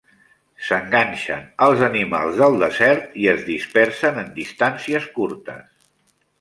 S'enganxen als animals del desert i es dispersen en distàncies curtes.